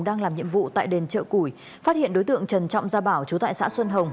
đang làm nhiệm vụ tại đền chợ củi phát hiện đối tượng trần trọng gia bảo chú tại xã xuân hồng